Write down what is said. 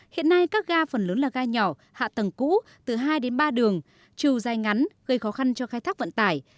hiện nay các ga phần lớn là ga nhỏ hạ tầng cũ từ hai ba đường trù dài ngắn gây khó khăn cho khai thác vận tài